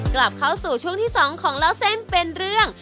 กลับเข้าสู่ช่วงที่๒ของเล่าเส้นเป็นเรื่อง